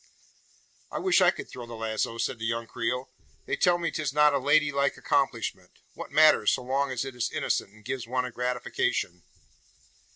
"I wish I could throw the lazo," said the young Creole. "They tell me 'tis not a lady like accomplishment. What matters so long as it is innocent, and gives one a gratification?"